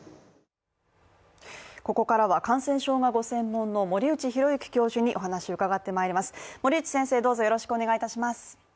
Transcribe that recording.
ここからは感染症がご専門の森内弘幸教授にお話を伺ってまいります